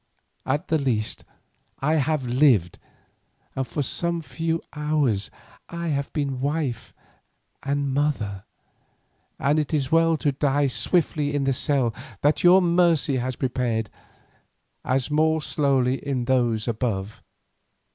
At the least I have lived, and for some few hours I have been wife and mother, and it is as well to die swiftly in this cell that your mercy has prepared, as more slowly in those above.